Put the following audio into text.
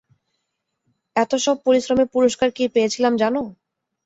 এত সব পরিশ্রমের পুরষ্কার কী পেয়েছিলাম জানো?